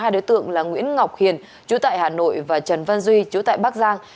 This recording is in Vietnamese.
hai đối tượng là nguyễn ngọc hiền chú tại hà nội và trần văn duy chú tại bắc giang